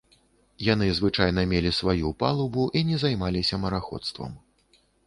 Яны звычайна мелі сваю палубу і не займаліся мараходствам.